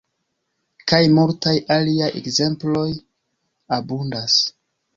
Kaj multaj aliaj ekzemploj abundas.